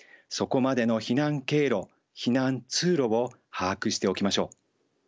そこまでの避難経路避難通路を把握しておきましょう。